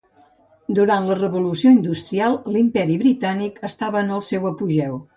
Durant la revolució industrial, l'Imperi Britànic estava en el seu apogeu.